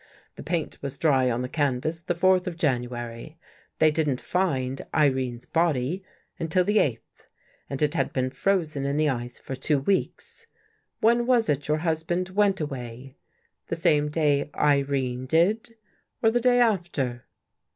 The paint was dry on the canvas the fourth of January. They didn't find Irene's body until the eighth, and it had been frozen in the ice for two weeks. When was it your husband went 136 THE FIRST CONFESSION away? The same day Irene did, or the day after?